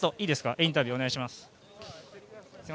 インタビューをお願いします。